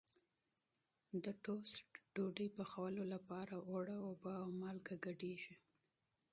د ټوسټ ډوډۍ پخولو لپاره اوړه اوبه او مالګه ګډېږي.